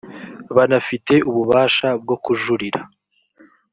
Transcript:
banafite ububasha bwo kujurira